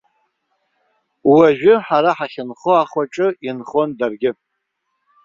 Уажәы ҳара ҳахьынхо ахәаҿы инхон даргьы.